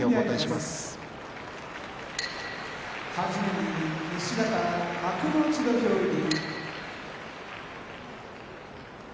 はじめに西方幕内土俵入り。